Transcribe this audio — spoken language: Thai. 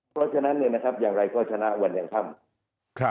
เพราะฉะนั้นอย่างไรก็ชนะวันอย่างค่ำ